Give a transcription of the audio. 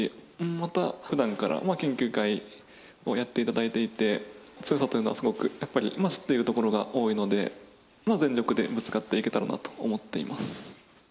またふだんから研究会をやっていただいていて、強さというのは、すごくやっぱり知っているところが多いので、全力でぶつかっていけたらなと思っています。